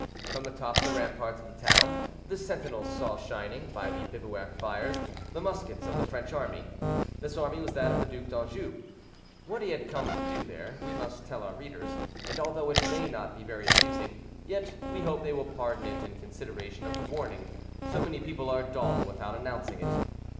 From the top of the ramparts of the town the sentinels saw shining, by the bivouac fires, the muskets of the French army. This army was that of the Duc d'Anjou. What he had come to do there we must tell our readers; and although it may not be very amusing, yet we hope they will pardon it in consideration of the warning; so many people are dull without announcing it.